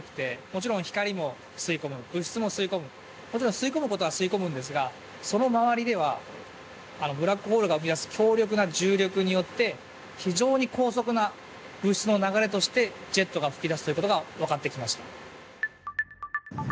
もちろん吸い込むことは吸い込むんですがその周りではブラックホールが生み出す強力な重力によって非常に高速な物質の流れとしてジェットが噴き出すということが分かってきました。